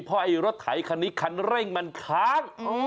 เพราะไอ้รถไถคันนี้คันเร่งมันค้าง